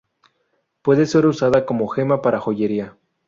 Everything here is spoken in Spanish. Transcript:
Puede ser usada como gema para joyería.